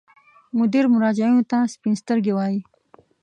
مدیر مراجعینو ته سپین سترګي وایي.